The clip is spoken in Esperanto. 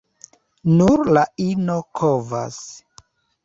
Nur la ino kovas.